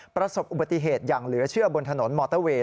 ประสบอุบัติเหตุอย่างเหลือเชื่อบนถนนมอเตอร์เวย์